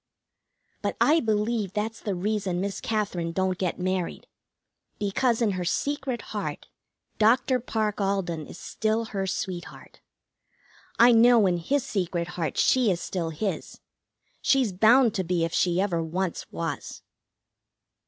But I believe that's the reason Miss Katherine don't get married. Because in her secret heart Dr. Parke Alden is still her sweetheart. I know in his secret heart she is still his. She's bound to be if she ever once was.